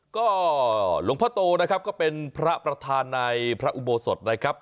ก็หลวงพ่อโตนะครับก็เป็นพระประธานในพระอุโบสถนะครับ